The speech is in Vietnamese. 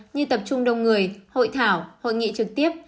như tập trung đông người hội thảo hội nghị trực tiếp